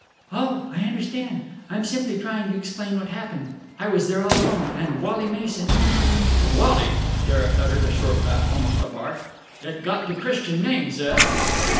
"Oh, I understand. I'm simply trying to explain what happened. I was there all alone, and Wally Mason...." "Wally!" Derek uttered a short laugh, almost a bark. "It got to Christian names, eh?"